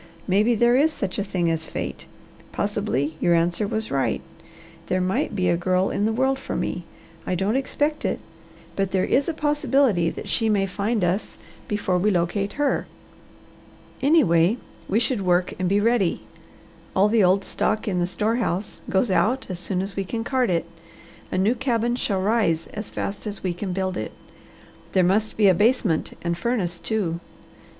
Maybe there is such a thing as fate. Possibly your answer was right. There might be a girl in the world for me. I don't expect it, but there is a possibility that she may find us before we locate her. Anyway, we should work and be ready. All the old stock in the store house goes out as soon as we can cart it. A new cabin shall rise as fast as we can build it. There must be a basement and furnace, too.